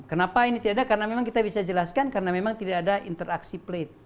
kenapa ini tidak ada karena memang kita bisa jelaskan karena memang tidak ada interaksi plate